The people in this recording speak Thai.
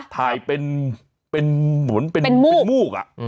ถ่ายเป็นเหมือนเป็นมูก